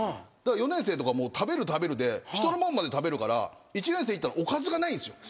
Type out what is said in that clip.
４年生とか食べる食べるで人のもんまで食べるから１年生行ったらおかずがないんすよ。